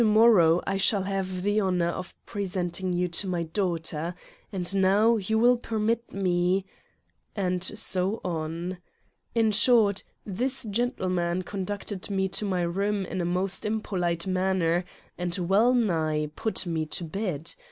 To morrow I shall have the honor of presenting you to my daughter, and now you will permit me " And so on. In short, this gentleman conducted, me to my room in a most impolite manner and well nigh put me to bed.